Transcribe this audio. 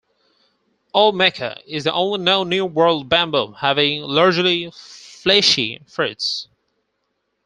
"Olmeca" is the only known New World bamboo having large fleshy fruits.